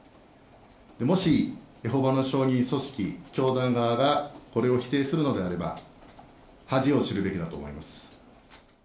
もしエホバの教団組織、教団側がこれを否定するのであれば、恥を知るべきだと思います。